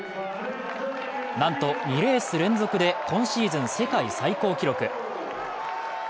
なんと２レース連続で今シーズン世界最高記録。